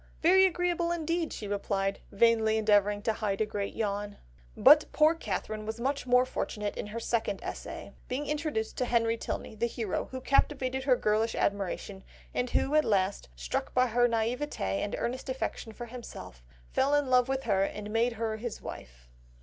"'Very agreeable indeed,' she replied, vainly endeavouring to hide a great yawn." But poor Catherine was much more fortunate in her second essay, being introduced to Henry Tilney, the hero, who captivated her girlish admiration, and who at last, struck by her naïvété and earnest affection for himself, fell in love with her and made her his wife.